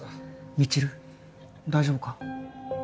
未知留大丈夫か？